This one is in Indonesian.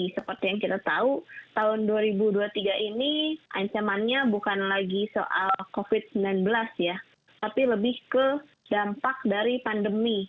seperti yang kita tahu tahun dua ribu dua puluh tiga ini ancamannya bukan lagi soal covid sembilan belas ya tapi lebih ke dampak dari pandemi